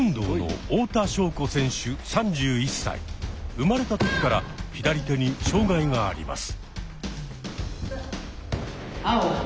生まれた時から左手に障害があります。